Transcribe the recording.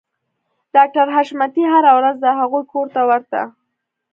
ډاکټر حشمتي هره ورځ د هغوی کور ته ورته